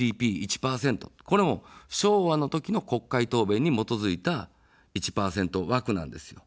ＧＤＰ１％、これも昭和の時の国会答弁に基づいた１％枠なんですよ。